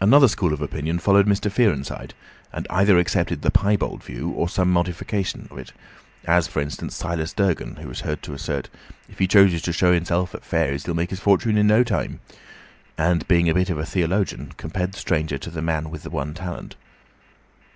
Another school of opinion followed Mr. Fearenside, and either accepted the piebald view or some modification of it; as, for instance, Silas Durgan, who was heard to assert that "if he chooses to show enself at fairs he'd make his fortune in no time," and being a bit of a theologian, compared the stranger to the man with the one talent.